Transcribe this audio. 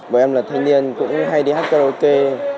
bọn em là thanh niên cũng hay đi hát karaoke